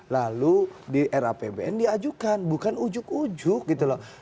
lalu di rapbn diajukan bukan ujuk ujuk gitu loh